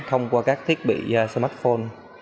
thông qua các thiết bị smartphone